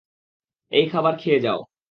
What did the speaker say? এই, খাবার খেয়ে যাও।